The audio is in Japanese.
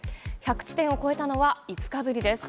１００地点を超えたのは５日ぶりです。